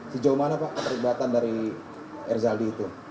sejauh mana pak keterlibatan dari erzaldi itu